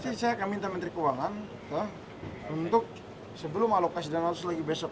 jadi nanti saya akan minta menteri keuangan untuk sebelum alokasi dan alokasi lagi besok